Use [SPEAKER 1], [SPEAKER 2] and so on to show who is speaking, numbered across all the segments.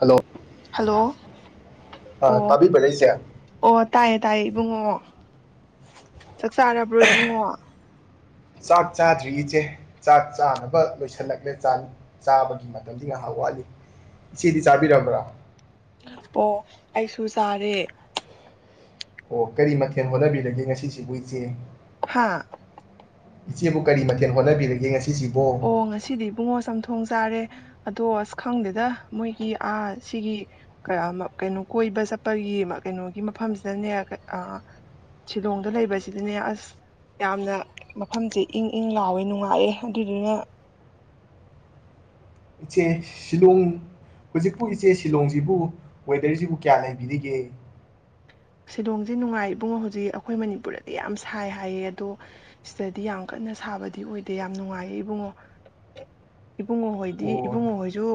[SPEAKER 1] hello
[SPEAKER 2] hello [inaudible]
[SPEAKER 1] ꯑ,
[SPEAKER 2] ꯑꯣ
[SPEAKER 1] ꯇꯥꯕꯤꯕ꯭ꯔꯥ ꯏꯆꯦ
[SPEAKER 2] ꯑꯣ ꯇꯥꯏꯌꯦ ꯇꯥꯏꯌꯦ ꯏꯕꯨꯡꯉꯣ ꯆꯥꯛ ꯆꯥꯔꯕ꯭ꯔꯣ ꯏꯕꯨꯡꯉꯣ
[SPEAKER 1] ꯆꯥꯛ ꯆꯥꯗ꯭ꯔꯤ ꯏꯆꯦ ꯆꯥꯛ ꯆꯥꯅꯕ ꯂꯣꯏꯁꯤꯜꯂꯛꯂꯦ ꯆꯥꯕꯒꯤ ꯃꯇꯝꯗꯤ ꯉꯥꯏꯍꯥꯛ ꯋꯥꯠꯂꯤ ꯏꯆꯦꯗꯤ ꯆꯥꯕꯤꯔꯕ꯭ꯔꯥ
[SPEAKER 2] ꯑꯣ ꯑꯩꯁꯨ ꯆꯥꯔꯦ
[SPEAKER 1] ꯑꯣ ꯀꯔꯤ ꯃꯊꯦꯜ ꯍꯣꯠꯅꯕꯤꯔꯒꯦ ꯉꯁꯤꯁꯤꯕꯨ ꯏꯆꯦ
[SPEAKER 2] ꯍꯥꯥ
[SPEAKER 1] ꯏꯆꯦꯕꯨ ꯀꯔꯤ ꯃꯊꯦꯜ ꯍꯣꯠꯅꯕꯤꯔꯒꯦ ꯉꯁꯤ
[SPEAKER 2] ꯑꯣ ꯉꯁꯤꯗꯤ ꯏꯕꯨꯡꯉꯣ ꯆꯝꯊꯣꯡ ꯆꯥꯔꯦ ꯑꯗꯣ ꯑꯁ ꯈꯪꯗꯦꯗ ꯃꯣꯏꯒꯤ ꯑ ꯁꯤꯒꯤ ꯀꯩꯅꯣ ꯀꯣꯏꯕ ꯆꯠꯄꯒꯤ ꯀꯩꯅꯣꯒꯤ ꯃꯐꯝꯁꯤꯗꯅꯦ ꯁꯤꯂꯣꯡꯗ ꯂꯩꯕꯁꯤꯗꯅꯦ ꯑꯁ ꯌꯥꯝꯅ ꯃꯐꯝꯁꯦ ꯏꯪ ꯏꯪ ꯂꯥꯎꯌꯦ ꯅꯨꯡꯉꯥꯏꯑꯦ ꯗꯨꯗꯨꯅ
[SPEAKER 1] ꯏꯆꯦ ꯁꯤꯂꯣꯡ ꯍꯧꯖꯤꯛꯄꯨ ꯏꯆꯦ ꯁꯤꯂꯣꯡꯁꯤꯕꯨ ꯋꯦꯗꯔꯁꯤꯕꯨ ꯀꯌꯥ ꯂꯩꯕꯤꯔꯤꯒꯦ
[SPEAKER 2] ꯁꯤꯂꯣꯡꯁꯦ ꯅꯨꯡꯉꯥꯏ ꯏꯕꯨꯡꯉꯣ ꯍꯧꯖꯤꯛ ꯑꯩꯈꯣꯏ ꯃꯅꯤꯄꯨꯔꯗꯗꯤ ꯌꯥꯝ ꯁꯥꯏ ꯍꯥꯏꯌꯦ ꯑꯗꯣ ꯁꯤꯗꯗꯤ ꯌꯥꯝ ꯀꯟꯅ ꯁꯥꯕꯗꯤ ꯑꯣꯏꯗꯦ ꯌꯥꯝ ꯅꯨꯡꯉꯥꯏꯌꯦ ꯏꯕꯨꯡꯉꯣ ꯏꯕꯨꯡꯉꯣꯍꯣꯏꯗꯤ
[SPEAKER 1] ꯑꯣ
[SPEAKER 2] ꯏꯕꯨꯡꯉꯣꯍꯣꯏꯁꯨ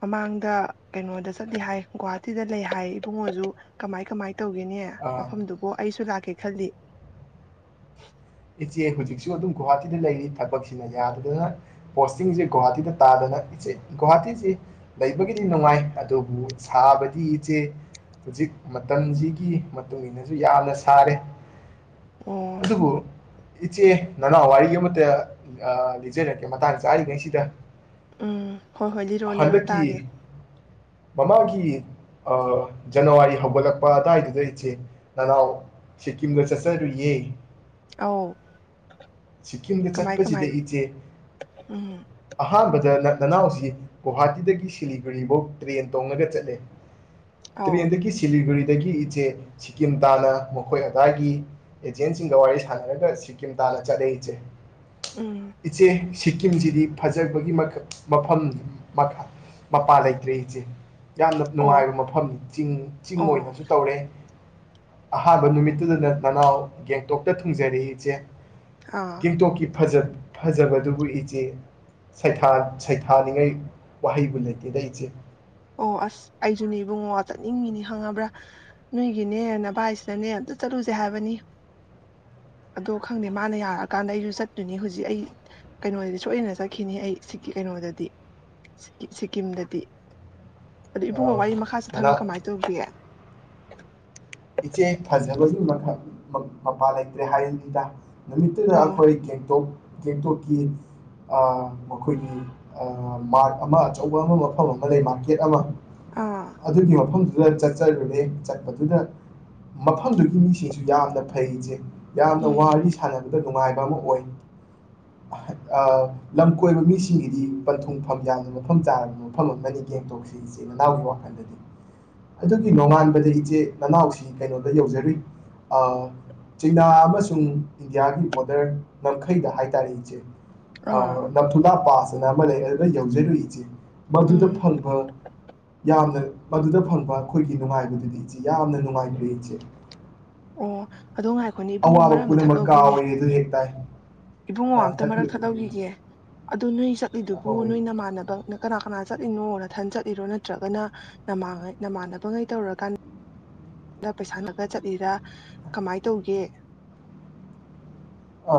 [SPEAKER 2] ꯃꯃꯥꯡꯗ ꯀꯩꯅꯣꯗ ꯆꯠꯂꯤ ꯍꯥꯏ ꯒꯨꯍꯥꯇꯤꯗ ꯂꯩ ꯍꯥꯏ ꯏꯕꯨꯡꯉꯣꯁꯨ ꯀꯃꯥꯏ ꯀꯃꯥꯏ ꯇꯧꯒꯦꯅꯦ
[SPEAKER 1] ꯑ,
[SPEAKER 2] ꯃꯐꯝꯗꯨꯕꯨ ꯑꯩꯁꯨ ꯂꯥꯛꯀꯦ ꯈꯜꯂꯤ
[SPEAKER 1] ꯏꯆꯦ ꯍꯧꯖꯤꯛꯁꯨ ꯑꯗꯨꯝ ꯒꯨꯍꯥꯇꯤꯗ ꯂꯩꯔꯤ ꯊꯕꯛꯁꯤꯅ ꯌꯥꯗꯗꯅ ꯄꯣꯁꯇꯤꯡꯁꯦ ꯒꯨꯍꯥꯇꯤꯗ ꯇꯥꯗꯅ ꯏꯆꯦ ꯒꯨꯍꯥꯇꯤꯁꯤ ꯂꯩꯕꯒꯤꯗꯤ ꯅꯨꯡꯉꯥꯏ ꯑꯗꯨꯕꯨ ꯁꯥꯕꯗꯤ ꯏꯆꯦ ꯍꯧꯖꯤꯛ ꯃꯇꯝꯁꯤꯒꯤ ꯃꯇꯨꯡꯏꯟꯅꯁꯨ ꯌꯥꯝꯅ ꯁꯥꯔꯦ
[SPEAKER 2] ꯑꯣ
[SPEAKER 1] ꯑꯗꯨꯕꯨ ꯏꯆꯦ ꯅꯅꯥꯎ ꯋꯥꯔꯤ ꯑꯃꯇ ꯂꯤꯖꯔꯛꯀꯦ ꯃꯇꯥꯡ ꯆꯥꯔꯤꯉꯩꯁꯤꯗ
[SPEAKER 2] ꯎꯝ ꯍꯣꯏ ꯍꯣꯏ ꯂꯤꯔꯣ ꯂꯤꯔꯣ
[SPEAKER 1] ꯍꯟꯗꯛꯀꯤ
[SPEAKER 2] ꯇꯥꯒꯦ
[SPEAKER 1] ꯃꯃꯥꯡꯒꯤ ꯑꯥ ꯖꯅꯋꯥꯔꯤ ꯍꯧꯒꯠꯂꯛꯄ ꯑꯗꯨꯋꯥꯏꯗꯨꯗꯩ ꯏꯆꯦ ꯅꯅꯥꯎ ꯁꯤꯀꯤꯝꯗ ꯆꯠꯆꯔꯨꯏꯌꯦ
[SPEAKER 2] ꯑꯧ
[SPEAKER 1] ꯁꯤꯀꯤꯝꯗ
[SPEAKER 2] ꯀꯃꯥꯏ ꯀꯃꯥꯏ
[SPEAKER 1] ꯆꯠꯄꯁꯤꯗ ꯏꯆꯦ
[SPEAKER 2] ꯎꯝ
[SPEAKER 1] ꯑꯍꯥꯟꯕꯗ ꯅꯅꯥꯎꯁꯤ ꯒꯨꯍꯥꯇꯤꯗꯒꯤ ꯁꯤꯂꯤꯒꯨꯔꯤꯕꯧ ꯇ꯭ꯔꯦꯟ ꯇꯣꯡꯉꯒ ꯆꯠꯂꯦ
[SPEAKER 2] ꯑꯧ
[SPEAKER 1] ꯇ꯭ꯔ‌ꯦꯟꯗꯒꯤ ꯁꯤꯂꯤꯒꯨꯔꯤ ꯑꯗꯒꯤ ꯏꯆꯦ ꯁꯤꯀꯤꯝ ꯇꯥꯟꯅ ꯃꯈꯣꯏ ꯑꯗꯥꯏꯒꯤ ꯑꯦꯖꯦꯟꯁꯤꯡꯒ ꯋꯥꯔꯤ ꯁꯥꯟꯅꯔꯒ ꯁꯤꯀꯤꯝ ꯇꯥꯟꯅ ꯆꯠꯂꯦ ꯏꯆꯦ
[SPEAKER 2] ꯎꯝ
[SPEAKER 1] ꯏꯆꯦ ꯁꯤꯀꯤꯝꯁꯤꯗꯤ ꯐꯖꯈ꯭ꯔꯕꯒꯤ ꯃꯈꯜ ꯃꯐꯝ ꯃꯄꯥꯟ ꯂꯩꯇ꯭ꯔꯦ ꯏꯆꯦ ꯌꯥꯝꯅ
[SPEAKER 2] ꯑꯣ
[SPEAKER 1] ꯅꯨꯡꯉꯥꯏꯕ ꯃꯐꯝꯅꯤ ꯆꯤꯡ ꯆꯤꯡ
[SPEAKER 2] ꯑꯣ
[SPEAKER 1] ꯑꯣꯏꯅꯁꯨ ꯇꯧꯔꯦ ꯑꯍꯥꯟꯕ ꯅꯨꯃꯤꯠꯇꯨꯗ ꯅꯅꯥꯎ ꯒꯦꯡꯇꯣꯛꯇ ꯊꯨꯡꯖꯔꯦ ꯏꯆꯦ
[SPEAKER 2] ꯑꯥ
[SPEAKER 1] ꯒꯦꯡꯇꯣꯛꯀꯤ ꯐꯖ ꯐꯖꯕꯗꯨꯕꯨ ꯏꯆꯦ ꯁꯩꯊꯥ ꯁꯩꯊꯥꯅꯤꯡꯉꯥꯏ ꯋꯥꯍꯩꯕꯨ ꯂꯩꯇꯦꯗ ꯏꯆꯦ
[SPEAKER 2] ꯑꯣ ꯑꯁ ꯑꯩꯁꯨꯅꯦ ꯏꯕꯨꯡꯉꯣ ꯆꯠꯅꯤꯡꯉꯤꯅꯤ ꯈꯪꯉꯕ꯭ꯔꯥ ꯅꯣꯏꯒꯤꯅꯦ ꯅꯚꯥꯏꯁꯤꯅꯅꯦ ꯑꯝꯇ ꯆꯠꯂꯨꯁꯦ ꯍꯥꯏꯕꯅꯤ ꯑꯗꯣ ꯈꯪꯗꯦ ꯃꯥꯅ ꯌꯥꯔꯛꯑꯀꯥꯟꯗ ꯑꯩꯁꯨ ꯆꯠꯇꯣꯏꯅꯤ ꯍꯧꯖꯤꯛ ꯑꯩ ꯀꯩꯅꯣꯗꯗꯤ ꯁꯣꯏꯗꯅ ꯆꯠꯈꯤꯅꯤ ꯑꯩ ꯁꯤ ꯀꯩꯅꯣꯗꯗꯤ ꯁꯤꯀꯤꯝꯗꯗꯤ ꯑꯗꯨ ꯏꯕꯨꯡꯉꯣ
[SPEAKER 1] ꯑꯧ
[SPEAKER 2] ꯋꯥꯔꯤ ꯃꯈꯥ
[SPEAKER 1] ꯅꯅꯥ
[SPEAKER 2] ꯆꯠꯊꯔꯛꯑꯣ ꯀꯃꯥꯏꯅ ꯇꯧꯒꯦ [inaudible]
[SPEAKER 1] ꯏꯆꯦ ꯐꯖꯕꯒꯤ ꯃꯄꯥꯥ ꯂꯩꯇ꯭ꯔꯦ ꯍꯥꯏꯕꯅꯤꯗ ꯅꯨꯃꯤꯠꯇꯨꯗ
[SPEAKER 2] ꯑꯣ
[SPEAKER 1] ꯑꯩꯈꯣꯏ ꯒꯦꯡꯇꯣꯛ ꯒꯦꯡꯇꯣꯛꯀꯤ ꯑ ꯃꯈꯣꯏꯒꯤ ꯑ ꯃꯥꯔꯠ ꯑꯃ ꯑꯆꯧꯕ ꯑꯃ ꯃꯐꯝ ꯑꯃ ꯂꯩ ꯃꯥꯔꯀꯦꯠ ꯑꯃ
[SPEAKER 2] ꯑꯥ
[SPEAKER 1] ꯑꯗꯨꯒꯤ ꯃꯐꯝ ꯑꯗꯨ ꯆꯠꯆꯔꯨꯔꯅꯦ ꯆꯠꯄꯗꯨꯗ ꯃꯐꯝꯗꯨꯒꯤ ꯃꯤꯁꯤꯡꯁꯨ ꯌꯥꯝꯅ ꯐꯩ ꯏꯆꯦ ꯌꯥꯝꯅ
[SPEAKER 2] ꯎꯝ
[SPEAKER 1] ꯋꯥꯔꯤ ꯁꯥꯟꯅꯕꯗ ꯅꯨꯡꯉꯥꯏꯕ ꯑꯃ ꯑꯣꯏ ꯑ ꯂꯝ ꯀꯣꯏꯕ ꯃꯤꯁꯤꯡꯒꯤꯗꯤ ꯄꯟꯊꯨꯡꯐꯝ ꯌꯥꯝꯅ ꯃꯐꯝ ꯆꯥꯔꯕ ꯃꯐꯝ ꯑꯃꯅꯤ ꯒꯦꯡꯊꯣꯛꯁꯤ ꯏꯆꯦ ꯅꯅꯥꯎꯒꯤ ꯋꯥꯈꯜꯗꯗꯤ ꯑꯗꯨꯒꯤ ꯅꯣꯡꯉꯥꯟꯕꯗ ꯏꯆꯦ ꯅꯅꯥꯎꯁꯤ ꯀꯩꯅꯣꯗ ꯌꯧꯖꯔꯨꯏ ꯑ ꯆꯤꯅꯥ ꯑꯃꯁꯨꯡ ꯏꯟꯗꯤꯌꯥꯒꯤ ꯕꯣꯗꯔ ꯉꯝꯈꯩꯗ ꯍꯥꯏꯇꯥꯔꯦ ꯏꯆꯦ
[SPEAKER 2] ꯑꯥ
[SPEAKER 1] ꯑ ꯅꯝꯊꯨꯂꯥ ꯕꯥꯁ ꯑꯃ ꯂꯩ ꯑꯗꯨꯗ ꯌꯧꯖꯔꯨꯏ ꯏꯆꯦ
[SPEAKER 2] ꯎꯝ
[SPEAKER 1] ꯃꯗꯨꯗ ꯐꯪꯕ ꯌꯥꯝꯅ ꯃꯗꯨꯗ ꯐꯪꯕ ꯑꯩꯈꯣꯏꯒꯤ ꯅꯨꯡꯉꯥꯏꯕꯗꯨꯗꯤ ꯏꯆꯦ ꯌꯥꯝꯅ ꯅꯨꯡꯉꯥꯏꯈ꯭ꯔꯦ ꯏꯆꯦ
[SPEAKER 2] ꯑꯣ ꯑꯗꯣ ꯉꯥꯏꯈꯣꯅꯦ ꯏꯕꯨꯡꯉꯣ
[SPEAKER 1] ꯑꯋꯥꯕ
[SPEAKER 2] ꯃꯔꯛ ꯑꯝꯇ
[SPEAKER 1] ꯄꯨꯝꯅꯃꯛ
[SPEAKER 2] ꯊꯠꯍꯧꯒꯦꯅꯦ
[SPEAKER 1] ꯀꯥꯎꯋꯦ ꯑꯗꯨ ꯍꯦꯛ ꯇꯥꯏ
[SPEAKER 2] ꯏꯕꯨꯡꯉꯣ
[SPEAKER 1] ꯑ
[SPEAKER 2] ꯑꯝꯇ ꯃꯔꯛ
[SPEAKER 1] ꯊꯥꯕꯤꯌꯨ ꯊꯥꯕꯤꯌꯨ ꯏꯆꯦ
[SPEAKER 2] ꯊꯠꯍꯧꯈꯤꯒꯦ ꯑꯗꯨ ꯅꯣꯏ
[SPEAKER 1] ꯍꯣꯏ
[SPEAKER 2] ꯆꯠꯂꯤꯗꯨꯕꯨ
[SPEAKER 1] ꯍꯣꯏ
[SPEAKER 2] ꯅꯣꯏ ꯅꯃꯥꯟꯅꯕꯅ ꯀꯅꯥ ꯀꯅꯥ ꯆꯠꯂꯤꯅꯣ ꯅꯊꯟ ꯆꯠꯂꯤꯔꯣ ꯅꯠꯇ꯭ꯔꯒꯅ ꯅꯃꯥꯡ ꯅꯃꯥꯟꯅꯕꯒꯩ ꯇꯧꯔꯀꯥꯟꯗ ꯗ ꯄꯩꯁꯥꯅꯒ ꯆꯠꯂꯤꯔꯥ ꯀꯃꯥꯏ ꯇꯧꯒꯦ
[SPEAKER 1] ꯑ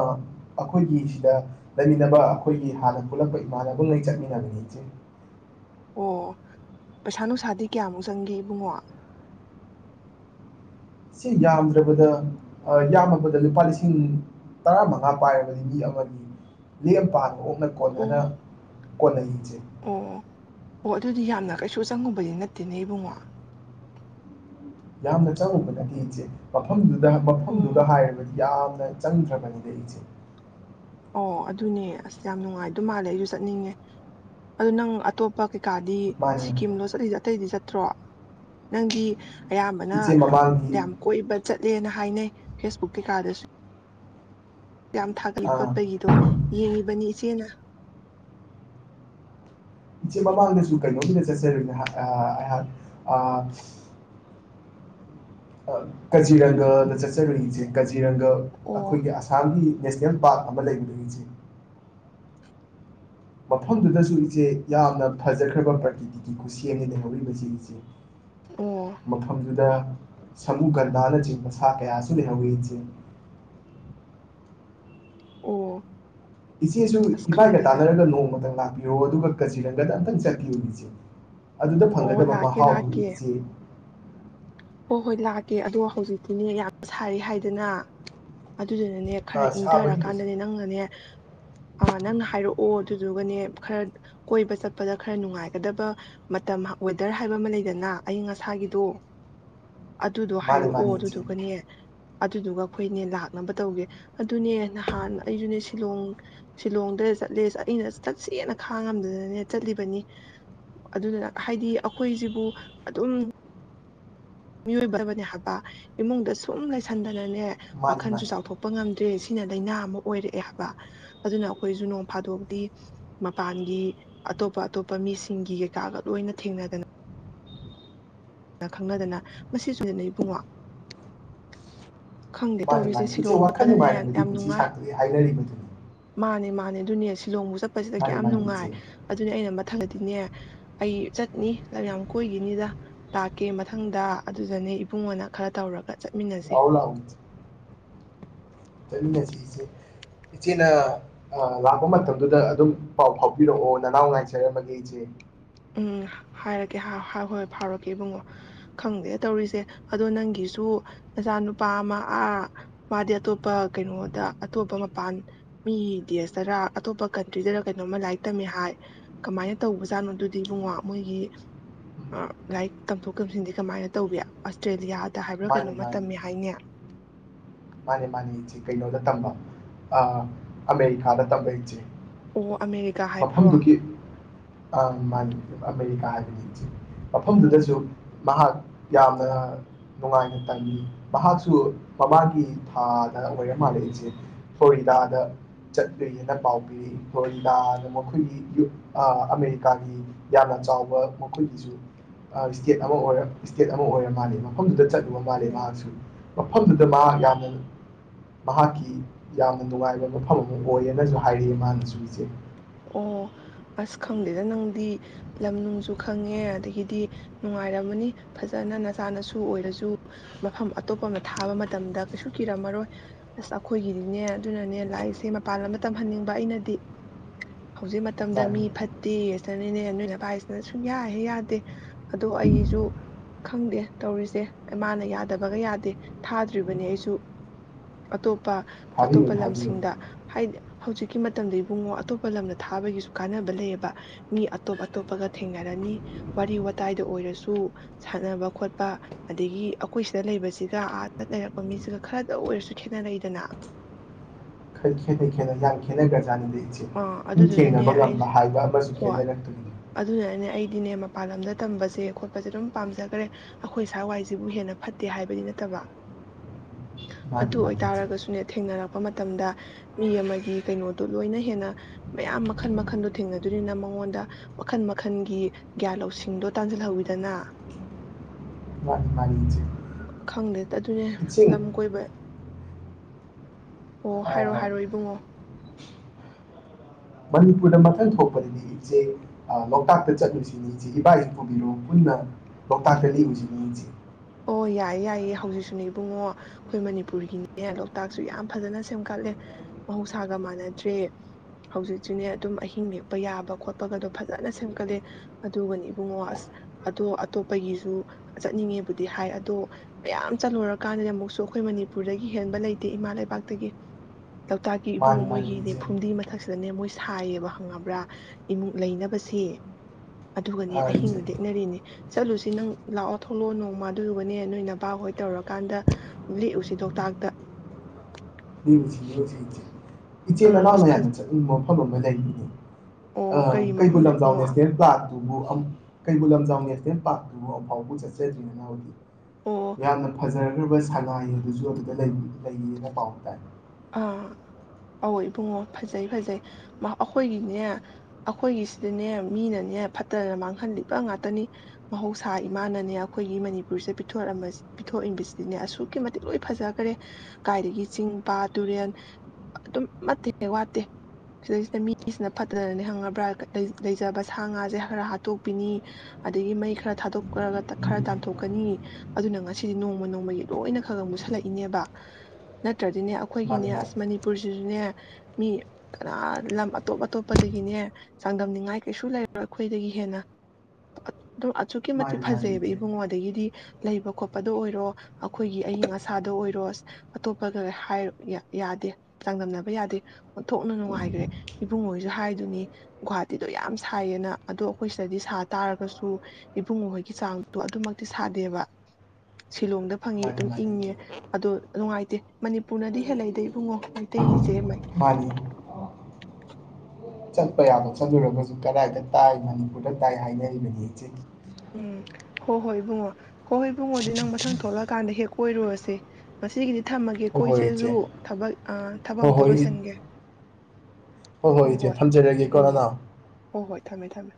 [SPEAKER 1] ꯑꯈꯣꯏꯒꯤ ꯁꯤꯗ ꯂꯩꯃꯤꯟꯅꯕ ꯑꯩꯈꯣꯏꯒꯤ ꯍꯥꯟꯅ ꯄꯨꯂꯛꯄ ꯏꯃꯥꯟꯅꯕꯒꯩ ꯆꯠꯃꯤꯟꯅꯕꯅꯤ ꯏꯆꯦ
[SPEAKER 2] ꯑꯣ ꯄꯩꯁꯥ ꯅꯨꯡꯁꯥꯗꯤ ꯀꯌꯥꯃꯨꯛ ꯆꯪꯒꯦ ꯏꯕꯨꯡꯉꯣ
[SPEAKER 1] ꯁꯤ ꯌꯥꯝꯗ꯭ꯔꯕꯗ ꯌꯥꯝꯃꯕꯗ ꯂꯨꯄꯥ ꯂꯤꯁꯤꯡ ꯇꯔꯥꯃꯉꯥ ꯄꯥꯏꯔꯕꯗꯤ ꯃꯤ ꯑꯃꯅ ꯂꯦꯝ ꯄꯥ ꯑꯣꯛꯅ
[SPEAKER 2] ꯑꯣ
[SPEAKER 1] ꯀꯣꯟꯅꯅ ꯀꯣꯟꯅꯩ ꯏꯆꯦ
[SPEAKER 2] ꯑꯣ ꯑꯣ ꯑꯗꯨꯗꯤ ꯌꯥꯝꯅ ꯀꯩꯁꯨ ꯆꯪꯉꯨꯕꯗꯤ ꯅꯠꯇꯦꯅꯦ ꯏꯕꯨꯡꯉꯣ
[SPEAKER 1] ꯌꯥꯝꯅ ꯆꯪꯉꯨꯕ ꯅꯠꯇꯦ ꯏꯆꯦ ꯃꯐꯝꯗꯨ ꯗ ꯃꯐꯝꯗꯨꯒ
[SPEAKER 2] ꯑꯣ
[SPEAKER 1] ꯍꯥꯏꯔꯕꯗꯤ ꯌꯥꯝ ꯅ ꯆꯪꯗ꯭ꯔꯕꯅꯤꯗꯤꯗ ꯏꯆꯦ
[SPEAKER 2] ꯑꯣ ꯑꯗꯨꯅꯦ ꯑꯁ ꯌꯥꯝ ꯅꯨꯡꯉꯥꯏꯗꯧ ꯃꯥꯜꯂꯦ ꯑꯩꯁꯨ ꯆꯠꯅꯤꯡꯉꯦ ꯑꯗꯨ ꯅꯪ ꯑꯇꯣꯞꯄ ꯀꯩ ꯀꯥꯥꯗꯤ
[SPEAKER 1] ꯃꯥꯅꯦ
[SPEAKER 2] ꯁꯤꯀꯤꯝꯂꯣ ꯆꯠꯂꯤꯗꯣ ꯑꯇꯩꯗꯤ ꯆꯠꯇ꯭ꯔꯣ ꯅꯪꯗꯤ ꯑꯌꯥꯝꯕꯅ
[SPEAKER 1] ꯏꯆꯦ ꯃꯃꯥꯡꯒꯤ
[SPEAKER 2] ꯌꯥꯝ ꯀꯣꯏꯕ ꯆꯠꯂꯦꯅ ꯍꯥꯏꯅꯩ ꯐꯦꯁꯕꯨꯛ ꯀꯩꯀꯥꯗꯁꯨ ꯌꯥꯝ ꯊꯥꯒꯠꯏ
[SPEAKER 1] ꯑꯥ
[SPEAKER 2] ꯈꯣꯠꯄꯒꯤꯗꯣ ꯌꯦꯡꯉꯤꯕꯅꯤ ꯏꯆꯦꯅ
[SPEAKER 1] ꯏꯆꯦ ꯃꯃꯥꯡꯗꯁꯨ ꯀꯩꯅꯣꯒꯤꯗ ꯆꯠꯆꯔꯨꯏ ꯑꯩꯍꯥꯛ ꯀꯖꯤꯔꯥꯪꯒꯗ ꯆꯠꯆꯔꯨꯏ ꯏꯆꯦ ꯖꯤꯔꯪꯒ
[SPEAKER 2] ꯑꯣ
[SPEAKER 1] ꯑꯩꯈꯣꯏꯒꯤ ꯑꯁꯥꯝꯒꯤ ꯅꯦꯁꯅꯦꯜ ꯄꯥꯔꯛ ꯑꯃ ꯂꯩꯕꯗꯣ ꯏꯆꯦ ꯃꯐꯝꯗꯨꯗꯁꯨ ꯏꯆꯦ ꯌꯥꯝꯅ ꯐꯖꯈ꯭ꯔꯕ ꯄ꯭ꯔꯀꯤꯇꯤꯒꯤ ꯈꯨꯁꯦꯝꯅꯤ ꯂꯩꯍꯧꯔꯤꯕꯁꯦ ꯏꯆꯦ
[SPEAKER 2] ꯑꯣ
[SPEAKER 1] ꯃꯐꯝꯗꯨꯗ ꯁꯃꯨ ꯒꯟꯗꯥꯅꯆꯤꯡꯕ ꯁꯥ ꯀꯌꯥꯁꯨ ꯂꯩꯍꯧꯋꯤ ꯏꯆꯦ
[SPEAKER 2] ꯑꯣ
[SPEAKER 1] ꯏꯆꯦꯁꯨ
[SPEAKER 2] ꯑꯁ
[SPEAKER 1] ꯏꯕꯥꯏꯒ
[SPEAKER 2] ꯈꯪꯗꯦꯗ
[SPEAKER 1] ꯇꯥꯟꯅꯔꯒ ꯅꯣꯡꯃꯇꯪ ꯂꯥꯛ ꯑꯗꯨꯒ ꯀꯥꯖꯤꯔꯪꯒꯗ ꯑꯃꯨꯛꯇꯪ ꯆꯠꯄꯤꯌꯨ ꯏꯆꯦ ꯑꯗꯨꯗ
[SPEAKER 2] ꯑꯣ
[SPEAKER 1] ꯐꯪꯒꯗꯕ
[SPEAKER 2] ꯂꯥꯛꯀꯦ
[SPEAKER 1] ꯃꯍꯥꯎꯗꯨ
[SPEAKER 2] ꯂꯥꯛꯀꯦ
[SPEAKER 1] ꯏꯆꯦ
[SPEAKER 2] ꯍꯣꯏ ꯍꯣꯏ ꯂꯥꯛꯀꯦ ꯑꯗꯣ ꯍꯧꯖꯤꯛꯇꯤꯅꯦ ꯌꯥꯝ ꯁꯥꯔꯤ ꯍꯥꯏꯗꯅ ꯑꯗꯨꯗꯨꯅꯅꯦ ꯈꯔ
[SPEAKER 1] ꯑ ꯁꯥꯕꯗꯤ ꯀꯩꯁꯨ
[SPEAKER 2] ꯏꯪꯊꯔꯀꯥꯟꯗꯅꯦ ꯅꯪꯅꯅꯦ ꯅꯪꯅ ꯍꯥꯏꯔꯛꯑꯣ ꯑꯗꯨꯗꯨꯒꯅꯦ ꯈꯔ ꯀꯣꯏꯕ ꯆꯠꯄꯗ ꯈꯔ ꯅꯨꯡꯉꯥꯏꯒꯗꯕ ꯃꯇꯝ ꯋꯦꯗꯔ ꯍꯥꯏꯕ ꯑꯃ ꯂꯩꯗꯅ ꯑꯏꯪ ꯑꯁꯥꯒꯤꯗꯣ ꯑꯗꯨꯗꯣ
[SPEAKER 1] ꯃꯥꯅꯤ
[SPEAKER 2] ꯍꯥꯏꯔꯛꯑꯣ
[SPEAKER 1] ꯃꯥꯅꯤ ꯏꯆꯦ
[SPEAKER 2] ꯑꯗꯨꯗꯨꯒꯅꯦ ꯑꯗꯨꯗꯨꯒ ꯑꯩꯈꯣꯏꯅꯦ ꯂꯥꯛꯅꯕ ꯇꯧꯒꯦ ꯑꯗꯨꯅꯦ ꯅꯍꯥꯟ ꯑꯩꯁꯨꯅꯦ ꯁꯤꯂꯣꯡ ꯁꯤꯂꯣꯡꯗ ꯆꯠꯂꯦ ꯑꯩꯅ ꯆꯠꯁꯦꯅ ꯈꯥꯡꯉꯝꯗꯅꯅꯦ ꯆꯠꯂꯤꯕꯅꯤ ꯑꯗꯨꯅ ꯍꯥꯏꯗꯤ ꯑꯩꯈꯣꯏꯖꯤꯕꯨ ꯑꯗꯨꯝ ꯃꯤꯑꯣꯏꯕꯅꯦ ꯍꯥꯏꯕ ꯏꯃꯨꯡꯗ ꯁꯨꯝ ꯂꯩꯁꯟꯗꯅ ꯅꯦ
[SPEAKER 1] ꯃꯥꯅꯤ
[SPEAKER 2] ꯋꯥꯈꯟꯁꯨ
[SPEAKER 1] ꯃꯥꯅꯤ
[SPEAKER 2] ꯆꯥꯎꯊꯣꯛꯄ ꯉꯝꯗ꯭ꯔꯦ ꯁꯤ ꯁꯤꯅ ꯂꯥꯏꯅꯥ ꯑꯃ ꯑꯣꯏꯔꯛꯑꯦ ꯍꯥꯏꯕ ꯑꯗꯨꯅ ꯑꯩꯈꯣꯏꯁꯨꯨ ꯅꯣꯡ ꯐꯥꯗꯣꯛꯗꯤ ꯃꯄꯥꯟꯒꯤ ꯑꯇꯣꯞꯄ ꯑꯇꯣꯞꯄ ꯃꯤꯁꯤꯡꯒꯤ ꯀꯩꯀꯥꯒ ꯂꯣꯏꯅ ꯊꯦꯡꯅꯗꯅ ꯈꯪꯅꯗꯅ ꯃꯁꯤ [unintelligible] ꯁꯨꯗꯅ ꯏꯕꯨꯡꯉꯣ ꯈꯪꯗꯦ
[SPEAKER 1] ꯃꯥꯅꯤ
[SPEAKER 2] ꯇꯧꯔꯤꯁꯦ
[SPEAKER 1] ꯃꯥꯅꯤ ꯏꯆꯦ
[SPEAKER 2] ꯁꯤꯂꯣꯡ
[SPEAKER 1] ꯋꯥꯈꯜ
[SPEAKER 2] ꯆꯠꯄꯗꯅꯦ
[SPEAKER 1] ꯅꯨꯡꯉꯥꯏꯔꯕꯗꯤ
[SPEAKER 2] ꯌꯥꯝ
[SPEAKER 1] ꯄꯨꯟꯁꯤ
[SPEAKER 2] ꯅꯨꯡꯉꯥꯏ
[SPEAKER 1] ꯁꯥꯡꯇꯣꯛꯏ ꯍꯥꯏꯅꯔꯤꯕꯗꯨꯅꯤ
[SPEAKER 2] ꯃꯥꯅꯤ ꯑꯗꯨꯅꯦ ꯁꯤꯂꯣꯡꯕꯧ ꯆꯠꯄꯁꯤꯗ
[SPEAKER 1] ꯃꯥꯅꯤ
[SPEAKER 2] ꯀꯌꯥꯝ
[SPEAKER 1] ꯃꯥꯅꯤ
[SPEAKER 2] ꯅꯨꯡꯉꯥꯏ
[SPEAKER 1] ꯏꯆꯦ
[SPEAKER 2] ꯑꯗꯨꯅꯤ ꯑꯩꯅ ꯊꯪꯗꯗꯤꯅꯦ ꯑꯩ ꯆꯠꯅꯤ ꯂꯝ ꯌꯥꯝ ꯀꯣꯏꯒꯤꯅꯤꯗ ꯇꯥꯛꯀꯦ ꯃꯊꯪꯗ ꯑꯗꯨꯗꯅꯦ ꯏꯕꯨꯡꯉ‌ꯣꯅ ꯈꯔ ꯇꯧꯔꯒ ꯆꯠꯃꯤꯟꯅꯁꯤ
[SPEAKER 1] ꯂꯥꯛꯎ ꯂꯥꯛꯎ ꯆꯠꯃꯤꯟꯅꯁꯤ ꯏꯆꯦ ꯏꯆꯦꯅ ꯂꯥꯛꯄ ꯃꯇꯝꯗꯨꯗ ꯑꯗꯨꯝ ꯄꯥꯎ ꯐꯥꯎꯕꯤꯔꯛꯑꯣ ꯅꯅꯥꯎ ꯉꯥꯏꯖꯔꯝꯃꯒꯦ ꯏꯆꯦ
[SPEAKER 2] ꯎꯝ ꯍꯥꯏꯔꯛꯀꯦ ꯍꯣꯏ ꯐꯥꯎꯔꯛꯀꯦ ꯏꯕꯨꯡꯉꯣ ꯈꯪꯗꯦ ꯇꯧꯔꯤꯁꯦ ꯑꯗꯣ ꯅꯪꯒꯤꯁꯨ ꯅꯆꯥꯅꯨꯄꯥ ꯑꯃ ꯑꯥ ꯃꯥꯗꯤ ꯑꯇꯣꯞꯄ ꯀꯩꯅꯣꯗ ꯑꯇꯣꯞꯄ ꯃꯄꯥꯟ ꯃꯤ ꯗꯦꯁꯇꯔ ꯑꯇꯣꯞꯄ ꯀꯟꯇ꯭ꯔꯤꯗꯔ ꯀꯩꯅꯣꯝꯃ ꯂꯥꯏꯔꯤꯛ ꯇꯝꯃꯦ ꯍꯥꯏ ꯀꯃꯥꯏꯅ ꯇꯧꯕꯖꯥꯠꯅꯣ ꯑꯗꯨ ꯏꯕꯨꯡꯉꯣ ꯃꯣꯏꯒꯤ ꯂꯥꯏꯔꯤꯛ ꯇꯝꯊꯣꯛ ꯇꯝꯁꯤꯟꯗꯤ ꯀꯃꯥꯏꯅ ꯇꯧꯕꯒ ꯑꯁꯇ꯭ꯔꯦꯂꯤꯌꯥ ꯇ ꯍꯥꯏꯕ꯭ꯔꯥ
[SPEAKER 1] ꯃꯥꯅꯤ
[SPEAKER 2] ꯀꯩꯅꯣꯝꯃ
[SPEAKER 1] ꯃꯥꯅꯤ
[SPEAKER 2] ꯇꯝꯃꯦ ꯍꯥꯏꯅꯦ
[SPEAKER 1] ꯃꯥꯅꯦ ꯃꯥꯅꯦ ꯏꯆꯦ ꯀꯩꯅꯣꯗ ꯇꯝꯕ ꯑ ꯑꯃꯦꯔꯤꯀꯥꯗ ꯇꯝꯕ ꯏꯆꯦ
[SPEAKER 2] ꯑꯣ ꯑꯃꯦꯔꯤꯀꯥ ꯍꯥꯏꯕ꯭ꯔꯣ
[SPEAKER 1] ꯃꯐꯝꯗꯨꯒꯤ ꯑ ꯃꯥꯅꯤ ꯑꯃꯦꯔꯤꯀꯥꯗꯅꯤ ꯏꯆꯦ
[SPEAKER 2] ꯑꯣ
[SPEAKER 1] ꯃꯐꯝꯗꯨꯗꯁꯨ ꯃꯍꯥꯛ ꯌꯥꯝꯅ ꯅꯨꯡꯉꯥꯏꯅ ꯇꯝꯃꯤ ꯃꯍꯥꯛꯁꯨ ꯃꯃꯥꯡꯒꯤ ꯊꯥꯗ ꯑꯣꯏꯔ ꯃꯥꯜꯂꯦ ꯑꯩꯁꯦ ꯐ꯭ꯂꯣꯔꯤꯗꯥꯗ ꯆꯠꯇꯔꯤꯉꯩꯗ ꯄꯥꯎ ꯄꯤꯔꯛꯏ ꯐ꯭ꯂꯣꯔꯤꯗꯥꯗ ꯃꯈꯣꯏꯒꯤ ꯑꯥ ꯑꯃꯦꯔꯤꯀꯥꯒꯤ ꯌꯥꯝꯅ ꯆꯥꯎꯕ ꯃꯈꯣꯏꯒꯤꯁꯨ ꯑꯥ ꯏꯁꯇꯦꯠ ꯑꯃ ꯑꯣꯏꯔ ꯏꯁꯇꯦꯠ ꯑꯃ ꯑꯣꯏꯔ ꯃꯥꯜꯂꯦ ꯃꯐꯝꯗꯨꯗ ꯎꯔꯝ ꯃꯥꯂꯦ ꯃꯍꯥꯛꯁꯨ ꯃꯐꯝꯗꯨꯗ ꯃꯥ ꯌꯥꯝ ꯃꯍꯥꯛꯀꯤ ꯌꯥꯝꯅ ꯅꯨꯡꯉꯥꯏꯕ ꯃꯐꯝ ꯑꯃ ꯑꯣꯏꯌꯦꯅꯖꯨ ꯍꯥꯏꯔꯛꯑꯦ ꯃꯥꯅꯁꯨ ꯏꯆꯦ
[SPEAKER 2] ꯑꯣ ꯑꯁ ꯈꯪꯗꯦꯗ ꯅꯪꯗꯤ ꯂꯝ ꯅꯨꯡꯁꯨ ꯈꯪꯉꯦ ꯑꯗꯒꯤꯗꯤ ꯅꯨꯡꯉꯥꯏꯔꯝꯃꯅꯤ ꯐꯖꯅ ꯅꯆꯥꯅꯁꯨ ꯑꯣꯏꯔꯁꯨ ꯃꯐꯝ ꯑꯇꯣꯞꯄ ꯑꯃ ꯊꯥꯕ ꯃꯇꯝꯗ ꯀꯩꯁꯨ ꯀꯤꯔꯝꯃꯔꯣꯏ ꯑꯁ ꯑꯩꯈꯣꯏꯒꯤꯗꯤꯅꯦ ꯑꯗꯨꯅꯅꯦ ꯂꯥꯏꯔꯤꯛꯁꯦ ꯃꯄꯥꯟ ꯑꯃꯗ ꯇꯝꯍꯟꯅꯤꯡꯕ ꯑꯩꯅꯗꯤ ꯍꯧꯖꯤꯛ ꯃꯇꯝꯗ
[SPEAKER 1] ꯃꯥꯅꯤ
[SPEAKER 2] ꯃꯤ ꯐꯠꯇꯦ ꯑꯗꯅꯤꯅꯦ ꯅꯣꯏ ꯅꯚꯥꯏꯁꯤꯅ ꯁꯨꯡꯌꯥ ꯍꯦꯛ ꯌꯥꯗꯦ ꯑꯗꯣ ꯑꯩꯁꯨ ꯈꯪꯗꯦ ꯇꯧꯔꯤꯁꯦ ꯃꯅꯥ ꯌꯥꯗꯕꯒ ꯌꯥꯗꯦ ꯊꯥꯗ꯭ꯔꯤꯕꯅꯦ ꯑꯩꯁꯨ ꯑꯇꯣꯞ
[SPEAKER 1] ꯊꯥꯕꯤꯌꯨ
[SPEAKER 2] ꯑꯇꯣꯞꯄ
[SPEAKER 1] ꯊꯥꯕꯤꯌꯨ
[SPEAKER 2] ꯂꯝꯁꯤꯡꯗ ꯍꯥꯏꯗꯤ ꯍꯧꯖꯤꯛꯀꯤ ꯃꯇꯝꯗ ꯢꯕꯨꯡꯉꯣ ꯑꯇꯣꯞꯄ ꯂꯝꯗ ꯊꯥꯕꯒꯤꯁꯨ ꯀꯥꯟꯅꯕ ꯂꯩꯌꯦꯕ ꯃꯤ ꯑꯇꯣꯞ ꯑꯇꯣꯞꯄꯒ ꯊꯦꯡꯅꯔꯅꯤ ꯋꯥꯔꯤ ꯋꯥꯇꯥꯏꯗ ꯑꯣꯏꯔꯁꯨ ꯁꯥꯟꯅꯕ ꯈꯣꯠꯄ ꯑꯗꯒꯤ ꯑꯩꯈꯣꯏ ꯁꯤꯗ ꯂꯩꯕꯁꯤꯒ ꯑꯥꯗ ꯂꯩꯔꯛꯄ ꯃꯤꯁꯤꯒ ꯈꯔꯗ ꯑꯣꯏꯔꯁꯨ ꯈꯦꯠꯅꯔꯛꯏꯗꯅ
[SPEAKER 1] ꯑꯗꯅꯤ ꯏꯆꯦ
[SPEAKER 2] ꯑꯥ
[SPEAKER 1] ꯃꯤ
[SPEAKER 2] ꯑꯗꯨꯗꯨꯅꯅꯦ
[SPEAKER 1] ꯊꯦꯡꯅꯕ
[SPEAKER 2] ꯑꯩ
[SPEAKER 1] ꯉꯝꯕ ꯍꯥꯏꯕ ꯑꯃꯁꯨ ꯈꯦꯅꯔꯛꯇꯨꯅꯤ
[SPEAKER 2] ꯗꯤꯅꯦ ꯃꯄꯥꯟ ꯂꯝꯗ ꯇꯝꯕꯁꯦ ꯈꯣꯠꯄꯖꯦ ꯑꯗꯨꯝ ꯄꯥꯝꯖꯒꯔꯦ ꯑꯩꯈꯣꯏ ꯁꯥꯋꯥꯏꯁꯤꯕꯨ ꯍꯦꯟꯅ ꯐꯠꯇꯦ ꯍꯥꯏꯕꯗꯤ ꯅꯠꯇꯕ
[SPEAKER 1] ꯃꯥꯅꯤ
[SPEAKER 2] ꯑꯗꯨ
[SPEAKER 1] ꯃꯥꯅꯤ ꯏꯆꯦ
[SPEAKER 2] ꯑꯣꯏꯇꯥꯔꯒꯁꯨꯅꯦ ꯊꯦꯡꯅꯔꯛ ꯄ ꯃꯇꯝꯗ ꯃꯤ ꯑꯃꯒꯤ ꯀꯩꯅꯣꯗꯨ ꯂꯣꯏꯅ ꯍꯦꯟꯅ ꯃꯌꯥꯝ ꯃꯈꯜ ꯃꯈꯟꯗꯣ ꯊꯦꯡꯅꯗꯣꯏꯅꯤꯅ ꯃꯉꯣꯟꯗ ꯃꯈꯜ ꯃꯈꯜꯒꯤ ꯒ꯭ꯌꯥꯟ ꯂꯧꯁꯤꯡꯗꯣ ꯇꯥꯟꯁꯤꯜꯍꯧꯋꯤꯗꯅ
[SPEAKER 1] ꯃꯥꯅꯤ ꯃꯥꯅꯤ ꯏꯆꯦ
[SPEAKER 2] ꯈꯪꯗꯦ ꯑꯗꯨꯅꯦ
[SPEAKER 1] ꯏꯆꯦ
[SPEAKER 2] ꯂꯝ ꯀꯣꯏꯕ ꯑꯣ ꯍꯥꯏꯔꯣ ꯍꯥꯏꯔꯣ ꯏꯕꯨꯡꯉꯣ
[SPEAKER 1] ꯃꯅꯤꯄꯨꯔꯗ ꯃꯊꯪ ꯊꯣꯛꯄꯗꯗꯤ ꯏꯆꯦ ꯑꯥ ꯂꯣꯛꯇꯥꯛꯇ ꯆꯠꯂꯨꯁꯤꯅꯦ ꯏꯆꯦ ꯏꯕꯥꯏꯖꯨ ꯄꯨꯕꯤꯔꯣ ꯄꯨꯟꯅ ꯂꯣꯛꯇꯥꯛꯇ ꯂꯦꯛꯎꯖꯤꯅꯦ ꯏꯆꯦ
[SPEAKER 2] ꯑꯣꯏ ꯌꯥꯏꯌꯦ ꯌꯥꯏꯌꯦ ꯍꯧꯖꯤꯛꯁꯨꯅꯦ ꯏꯕꯨꯡꯉꯣ ꯑꯩꯈꯣꯏ ꯃꯅꯤꯄꯨꯔꯒꯤꯅꯦ ꯂꯣꯛꯇꯥꯛꯁꯨ ꯌꯥꯝ ꯐꯖꯅ ꯁꯦꯝꯒꯠꯂꯦ ꯃꯍꯧꯁꯥꯒ ꯃꯥꯟꯅꯗ꯭ꯔꯦ ꯍꯧꯖꯤꯛꯁꯨꯅꯦ ꯑꯗꯨꯝ ꯑꯍꯤꯡ ꯂꯦꯛꯄ ꯌꯥꯕ ꯈꯣꯠꯄꯒꯗꯣ ꯐꯖꯅ ꯁꯦꯝꯀꯠꯂꯦ ꯑꯗꯨꯒꯅꯤ ꯏꯕꯨꯡꯉꯣ ꯑꯁ ꯑꯗꯣ ꯑꯇꯣꯞꯄꯒꯤꯁꯨ ꯆꯠꯅꯤꯡꯉꯦꯕꯨꯗꯤ ꯗꯤ ꯍꯥꯏ ꯑꯗꯣ ꯃꯌꯥꯝ ꯆꯠꯂꯨꯔꯀꯥꯟꯗꯗꯤ ꯑꯃꯨꯛꯁꯨ ꯑꯩꯈꯣꯏ ꯃꯅꯤꯄꯨꯔꯗꯒꯤ ꯍꯦꯟꯕ ꯂꯩꯇꯦ ꯏꯃꯥ ꯂꯩꯕꯥꯛꯇꯒꯤ ꯂꯣꯛꯇꯥꯛꯀꯤ
[SPEAKER 1] ꯃꯥꯅꯤ
[SPEAKER 2] ꯏꯕꯨꯡꯉꯣ
[SPEAKER 1] ꯃꯥꯅꯤ
[SPEAKER 2] ꯃꯣꯏꯒꯤꯅꯦ
[SPEAKER 1] ꯏꯆꯦ
[SPEAKER 2] ꯐꯨꯝꯗꯤ ꯃꯊꯛꯁꯤꯗꯅꯦ ꯃꯣꯏꯁꯦ ꯁꯥꯏꯌꯦꯕ ꯈꯪꯉꯕ꯭ꯔꯥ ꯏꯃꯨꯡ ꯂꯩꯅꯕꯁꯦ ꯑꯗꯨꯒꯅꯤ
[SPEAKER 1] ꯑꯥ
[SPEAKER 2] ꯑꯍꯤꯡ
[SPEAKER 1] ꯏꯆꯦ
[SPEAKER 2] ꯂꯦꯛꯅꯔꯤꯅꯤ ꯆꯠꯂꯨꯁꯤ ꯅꯪ ꯂꯥꯛꯑꯣ ꯊꯣꯛꯂꯛꯑꯣ ꯅꯣꯡꯃꯥ ꯑꯗꯨꯗꯨꯒꯅꯦ ꯅꯣꯏ ꯅꯄꯥꯍꯣꯏ ꯇꯧꯔꯀꯥꯟꯗ ꯂꯦꯛꯎꯁꯤ ꯂꯣꯛꯇꯥꯛꯇ
[SPEAKER 1] ꯃꯤ ꯆꯤꯡꯉꯔꯣꯏꯁꯤ ꯏꯆꯦ ꯏꯆꯦ
[SPEAKER 2] ꯑꯥ
[SPEAKER 1] ꯅꯅꯥꯎꯅ
[SPEAKER 2] ꯑꯁ
[SPEAKER 1] ꯌꯥꯝꯅ
[SPEAKER 2] ꯐꯖ
[SPEAKER 1] ꯆꯠꯅꯤꯡꯕ ꯃꯐꯝ ꯑꯃ ꯃꯂ [inaudible]
[SPEAKER 2] ꯑꯣ
[SPEAKER 1] ꯑꯥ
[SPEAKER 2] ꯀꯔꯤ
[SPEAKER 1] ꯀꯩꯕꯨꯜ
[SPEAKER 2] ꯃꯐꯝꯅꯣ
[SPEAKER 1] ꯂꯝꯖꯥꯎ
[SPEAKER 2] ꯏꯕꯨꯡꯉꯣ
[SPEAKER 1] ꯅꯦꯁꯅꯦꯜ ꯄꯥꯔꯛ ꯑꯗꯨꯕꯨ ꯀꯩꯕꯨꯜ ꯂꯝꯖꯥꯎ ꯅꯦꯁꯅꯦꯜ ꯄꯥꯔꯛꯇꯨꯕꯨ ꯑꯐꯥꯎꯕ ꯆꯠꯆꯗ꯭ꯔꯤ ꯅꯅꯥꯎꯗꯤ
[SPEAKER 2] ꯑꯣ
[SPEAKER 1] ꯌꯥꯝꯅ ꯐꯖꯔ ꯑꯗꯨꯒ ꯁꯉꯥꯏꯗꯨꯖꯨ ꯑꯗꯨꯗ ꯂꯩꯔꯤ ꯂꯩꯔꯤꯅ ꯄꯥꯎ ꯇꯥꯏꯨ [inaudible]
[SPEAKER 2] ꯑꯥ ꯑꯧ ꯏꯕꯨꯡꯉꯣ ꯐꯖꯩ ꯐꯖꯩ ꯑꯩꯈꯣꯏꯒꯤꯅꯦ ꯑꯩꯈꯣꯏꯒꯤꯁꯤꯗꯅꯦ ꯃꯤꯅꯅꯦ ꯐꯠꯇꯅ ꯃꯥꯡꯍꯜꯂꯤꯕ ꯉꯥꯛꯇꯅꯤ ꯃꯍꯧꯁꯥ ꯏꯃꯥꯅꯅꯦ ꯑꯩꯈꯣꯏꯒꯤ ꯃꯅꯤꯄꯨꯔꯁꯦ ꯄꯤꯊ ꯄꯤꯊꯣꯛꯏꯕꯁꯤꯗꯤꯅꯦ ꯑꯁꯨꯛꯀꯤ ꯃꯇꯤꯛ ꯂꯣꯏ ꯐꯖꯈ꯭ꯔꯦ ꯀꯥꯏꯗꯒꯤ ꯆꯤꯡ ꯄꯥꯠ ꯇꯨꯔꯦꯟ ꯑꯗꯨꯝ ꯃꯠꯇꯦ ꯋꯥꯠꯇꯦ ꯁꯤꯗꯩꯁꯤꯗ ꯃꯤꯁꯤꯅ ꯐꯠꯇꯗꯅꯅꯦ ꯈꯪꯉꯕ꯭ꯔꯥ ꯂꯩꯖꯕ ꯁꯥ ꯉꯥꯁꯦ ꯈꯔ ꯍꯥꯠꯇꯣꯛꯄꯤꯅꯤ ꯑꯗꯨꯗꯒꯤ ꯃꯩ ꯈꯔ ꯊꯥꯗꯣꯛ ꯑꯒ ꯈꯔ ꯇꯥꯟꯝꯊꯣꯛꯀꯅꯤ ꯑꯗꯨꯅ ꯉꯁꯤꯗꯤ ꯅꯣꯡꯃ ꯅꯣꯡꯃꯒꯤ ꯂꯣꯏꯅ ꯈꯥ ꯒꯥ ꯃꯨꯁꯜꯂꯛꯏꯅꯦꯕ ꯅꯠꯇ꯭ꯔ ꯅꯦ
[SPEAKER 1] ꯃꯥꯅꯤ
[SPEAKER 2] ꯑꯩꯈꯣꯏꯒꯤꯅꯦ
[SPEAKER 1] ꯃꯥꯅꯤ
[SPEAKER 2] ꯑꯁ ꯃꯅꯤꯄꯨꯔꯖꯤꯖꯨꯅꯦ ꯃꯤ ꯀꯅꯥ ꯂꯝ ꯑꯇꯣꯞ ꯑꯇꯣꯞꯄꯗꯒꯤꯅꯦ ꯆꯥꯡꯗꯝꯅꯤꯡꯉꯥꯏ ꯀꯩꯁꯨ ꯂꯩꯔꯣꯏ ꯑꯩꯈꯣꯏꯗꯒꯤ ꯍꯦꯟꯅ ꯑꯗꯨꯝ ꯑꯁꯨꯛꯀꯤ ꯃꯇꯤꯛ
[SPEAKER 1] ꯃꯥꯅꯤ ꯃꯥꯅꯤ
[SPEAKER 2] ꯐꯖꯩꯑꯕ
[SPEAKER 1] ꯏꯆꯦ
[SPEAKER 2] ꯏꯕꯨꯡꯉꯣꯗꯒꯤꯗꯤ ꯂꯩꯕ ꯈꯣꯠꯄꯗ ꯑꯣꯏꯔꯣ ꯑꯩꯈꯣꯏꯒꯤ ꯑꯌꯤꯡ ꯑꯁꯥꯗ ꯑꯣꯏꯔꯣ ꯑꯇꯣꯞꯄ ꯍꯥꯏ ꯌꯥꯗꯦ ꯆꯥꯡꯗꯝꯅꯕ ꯌꯥꯗꯦ ꯑꯣꯟꯊꯣꯛꯅ ꯅꯨꯡꯉꯥꯏꯈ꯭ꯔꯦ ꯏꯕꯨꯡꯉꯣꯏꯁꯨ ꯍꯥꯏꯗꯨꯅꯤ ꯒꯨꯍꯥꯇꯤꯗꯣ ꯌꯥꯝ ꯁꯥꯏꯌꯦꯅ ꯑꯗꯣ ꯑꯩꯈꯣꯏ ꯁꯤꯗꯗꯤ ꯁꯥ ꯇꯥꯔꯒꯁꯨ ꯏꯕꯨꯡꯉꯣꯍꯣꯏꯒꯤ ꯆꯥꯡꯗꯣ ꯑꯗꯨꯃꯛꯇꯤ ꯁꯥꯗꯦꯕ ꯁꯤꯂꯣꯡꯗ ꯐꯪꯉꯤ
[SPEAKER 1] ꯃꯥꯅꯤ
[SPEAKER 2] ꯑꯗꯨꯝ
[SPEAKER 1] ꯃꯥꯅꯤ ꯏꯆꯦ
[SPEAKER 2] ꯏꯪꯉꯦ ꯑꯗꯣ ꯅꯨꯡꯉꯥꯏꯇꯦ ꯃꯅꯤꯄꯨꯔꯅꯗꯤ ꯍꯦꯜꯂꯛꯏꯗ ꯏꯕꯨꯡꯉꯣ ꯃꯩꯇꯩ ꯖꯦ ꯃꯩ
[SPEAKER 1] ꯃꯥꯅꯤ ꯆꯠꯄ ꯌꯥꯕ ꯆꯠꯂꯨꯔꯒꯁꯨ ꯀꯗꯥꯏꯗ ꯇꯥꯏ ꯃꯅꯤꯄꯨꯔꯗ ꯇꯥꯏ ꯍꯥꯏꯅꯔꯤꯕꯅꯤ ꯏꯆꯦ
[SPEAKER 2] ꯎꯝ ꯍꯣ ꯍꯣꯏ ꯏꯕꯨꯡꯉꯣ ꯍꯣꯏ ꯍꯣꯏ ꯏꯕꯨꯪꯉꯣ ꯑꯗꯨꯗꯤ ꯅꯪ ꯃꯊꯪ ꯊꯣꯛꯂꯛꯑꯀꯥꯟꯗ ꯍꯦꯛ ꯀꯣꯏꯔꯨꯔꯁꯦ ꯉꯁꯤꯒꯤꯗꯤ ꯊꯝꯃꯒꯦ ꯀꯣ
[SPEAKER 1] ꯍꯣꯏ ꯍꯣꯏ
[SPEAKER 2] ꯏꯆꯦꯁꯨ
[SPEAKER 1] ꯏꯆꯦ
[SPEAKER 2] ꯊꯕꯛ ꯊꯕꯛ
[SPEAKER 1] ꯍꯣꯏ
[SPEAKER 2] ꯑꯝꯇ
[SPEAKER 1] ꯍꯣꯏ
[SPEAKER 2] ꯂꯣꯏꯁꯟꯒꯦ
[SPEAKER 1] ꯍꯣꯏ ꯍꯣꯏ
[SPEAKER 2] ꯍꯣ
[SPEAKER 1] ꯏꯆꯦ ꯊꯝꯖꯔꯒꯦꯀꯣ
[SPEAKER 2] ꯎꯝ
[SPEAKER 1] ꯅꯅꯥꯎ
[SPEAKER 2] ꯍꯣꯏ ꯍꯣꯏ ꯊꯝꯃꯦ ꯊꯝꯃꯦ